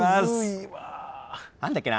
何だっけな。